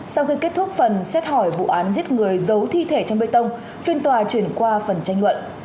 sau khi kết thúc phần xét hỏi vụ án giết người giấu thi thể trong bê tông phiên tòa chuyển qua phần tranh luận